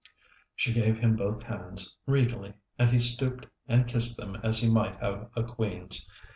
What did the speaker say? She gave him both hands, regally, and he stooped and kissed them as he might have a queen's.